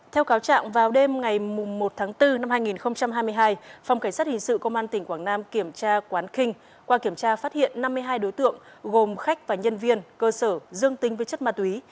theo cáo trạng vào đêm ngày một tháng bốn năm hai nghìn hai mươi hai phòng cảnh sát hình sự công an tỉnh quảng nam kiểm tra quán kinh qua kiểm tra phát hiện năm mươi hai đối tượng gồm khách và nhân viên cơ sở dương tinh với chất ma túy